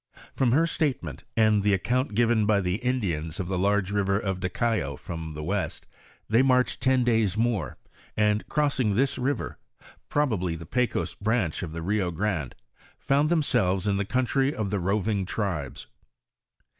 From her statement, and the account given by the Indians of the large river of Daycao to the west, they marched ton days more, and crossing this river, probably the Pecos branch of the Rio Grande, found themselves in the country of the roving tribes.